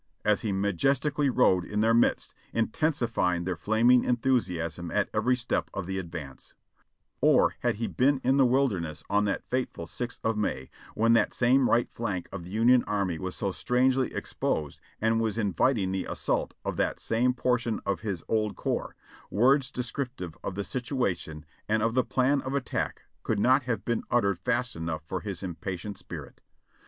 as he ma jestically rode in their midst, intensifying their flaming enthusi asm at every step of the advance. 532 JOHNNY REB AND BILI^Y YANK "Or had he been in the Wilderness on that fateful 6th of May, when that same right flank of the Union army was so strangely exposed and was inviting the assault of that same portion of his old corps, words descriptive of the situation and of the plan of attack could not have been uttered fast enough for his impatient spirit.